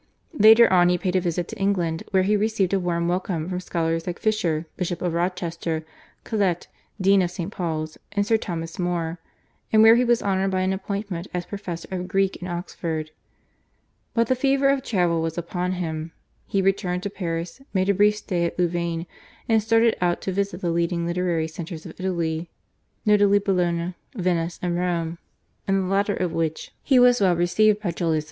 Later on he paid a visit to England, where he received a warm welcome from scholars like Fisher, Bishop of Rochester, Colet, Dean of St. Paul's, and Sir Thomas More, and where he was honoured by an appointment as Professor of Greek in Oxford. But the fever of travel was upon him. He returned to Paris, made a brief stay at Louvain, and started out to visit the leading literary centres of Italy, notably Bologna, Venice, and Rome, in the latter of which he was well received by Julius II.